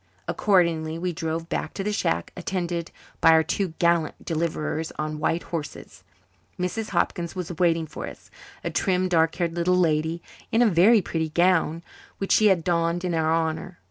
Accordingly we drove back to the shack, attended by our two gallant deliverers on white horses. Mrs. Hopkins was waiting for us, a trim, dark haired little lady in a very pretty gown, which she had donned in our honour.